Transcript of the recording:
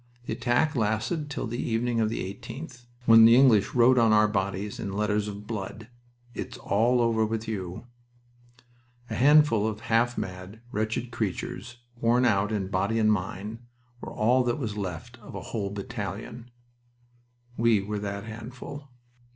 The attack lasted till the evening of the 18th, when the English wrote on our bodies in letters of blood, 'It is all over with you.' A handful of half mad, wretched creatures, worn out in body and mind, were all that was left of a whole battalion. We were that handful."